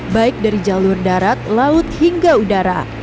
baik dari jalur darat laut hingga udara